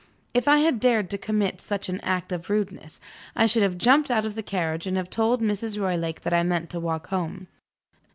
If I had dared to commit such an act of rudeness, I should have jumped out of the carriage, and have told Mrs. Roylake that I meant to walk home.